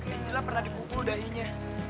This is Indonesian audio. angela pernah dikukul dahinya